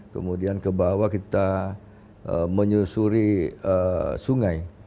kemudian ke bawah kita menyusuri sungai